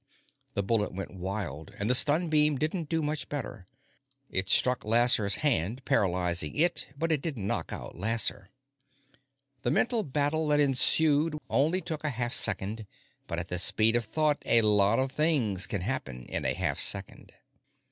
The bullet went wild, and the stun beam didn't do much better. It struck Lasser's hand, paralyzing it, but it didn't knock out Lasser. The mental battle that ensued only took a half second, but at the speed of thought, a lot of things can happen in a half second.